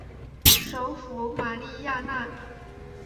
首府玛利亚娜。